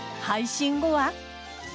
配信後は。